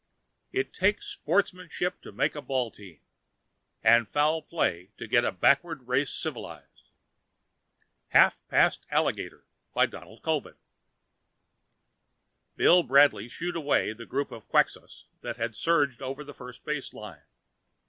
] It takes sportsmanship to make a ball team ... and foul play to get a backward race civilized! Bill Bradley shooed away the group of Quxas that had surged over the first base line.